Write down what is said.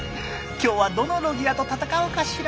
今日はどのロギアと戦おうかしら？